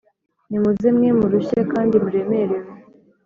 Nimuze mwe murushye kandi muremerewe